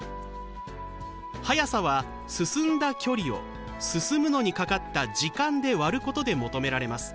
「速さ」は進んだ「距離」を進むのにかかった「時間」で割ることで求められます。